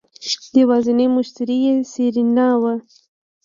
يوازينی مشتري يې سېرېنا وه.